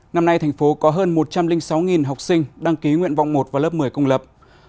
năm nay thành phố có hơn một trăm linh sáu học sinh đăng ký nguyện vọng một và lớp một mươi công lập